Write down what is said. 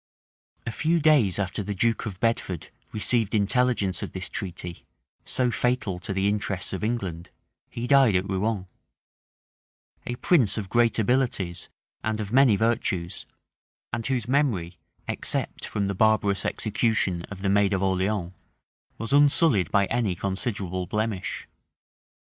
A few days after the duke of Bedford received intelligence of this treaty, so fatal to the interests of England, he died at Rouen; a prince of great abilities, and of many virtues; and whose memory, except from the barbarous execution of the maid of Orleans, was unsullied by any considerable blemish.